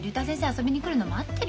遊びに来るの待ってるよ。